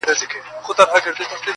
په رسنيو کي موضوع ورو ورو کمه سي راپور,